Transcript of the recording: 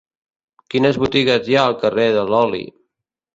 Quines botigues hi ha al carrer de l'Oli?